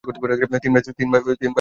তিনবার ডুব দিলে।